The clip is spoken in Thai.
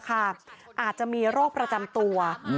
อาจจะมีโรคประจำตัว